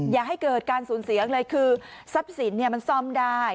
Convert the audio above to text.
อย่าให้เกิดการสูญเสียเลยคือทรัพย์สินมันซ่อมได้